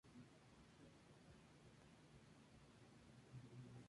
Esto convierte a Maples Arce en el iniciador de la vanguardia mexicana.